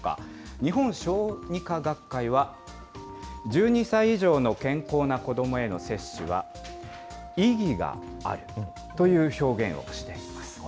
日本小児科学会は１２歳以上の健康な子どもへの接種は意義があるという表現をしています。